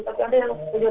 tapi ada yang punya